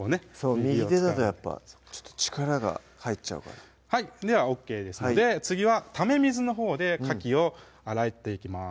右手だと力が入っちゃうからではＯＫですので次はため水のほうでかきを洗っていきます